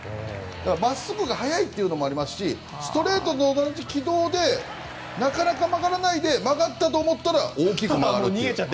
まっすぐが速いのもあるしストレートと同じ軌道でなかなか曲がらないで曲がったと思ったら大きく曲がる。